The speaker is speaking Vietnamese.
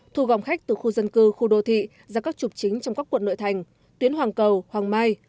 thu vòng khách từ khu dân cư khu đô thị ra các trục chính trong các quận nội thành tuyến hoàng cầu hoàng mai